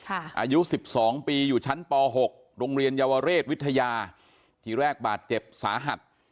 อายุ๑๒ปีอยู่ชั้นป๖โรงเรียนเยาวเรศวิทยาทีแรกบาดเจ็บสาหัส